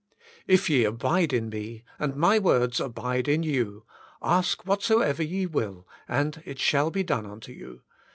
If ye abide in Me and My Words Abide in You^ ask whatsoever ye will, and it shall be done unto you" (xv.